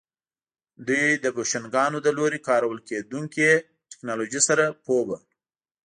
دوی د بوشنګانو له لوري کارول کېدونکې ټکنالوژۍ سره پوه وو